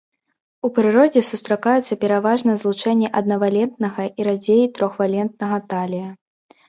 У прыродзе сустракаюцца пераважна злучэнні аднавалентнага і радзей трохвалентнага талія.